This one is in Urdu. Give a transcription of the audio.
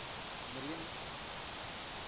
مریم نواز آزمائش کے پہلے مرحلے میں سرخرو ہوئیں۔